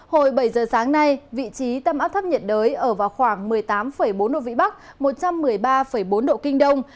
hồi bảy giờ sáng nay vị trí tâm áp thấp nhiệt đới ở vào khoảng một mươi tám bốn độ vĩ bắc một trăm một mươi ba bốn độ kinh đông